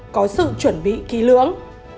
có sự chuẩn bị kỹ lưỡng